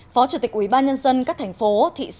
phó chủ tịch ubnd các thành phố thị xã